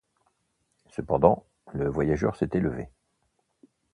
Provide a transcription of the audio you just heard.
Cependant le voyageur s’était levé.